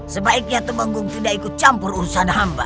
sebaiknya temanggung tidak ikut campur urusan hamba